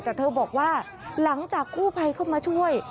แต่เธอบอกว่าหลังจากกู้ภัยเข้ามาช่วย